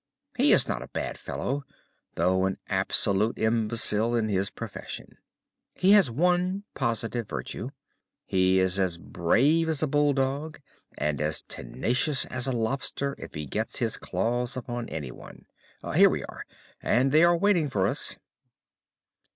He is not a bad fellow, though an absolute imbecile in his profession. He has one positive virtue. He is as brave as a bulldog and as tenacious as a lobster if he gets his claws upon anyone. Here we are, and they are waiting for us."